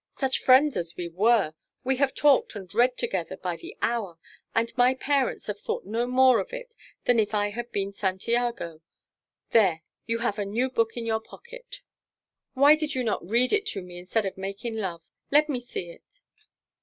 Such friends as we were! We have talked and read together by the hour, and my parents have thought no more of it than if it had been Santiago. There! You have a new book in your pocket. Why did you not read it to me instead of making love? Let me see it."